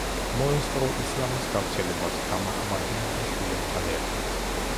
მოესწრო ისლამის გავრცელებას, გამაჰმადიანდა შვილებთან ერთად.